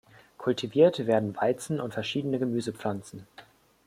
Kultiviert werden Weizen und verschiedene Gemüsepflanzen.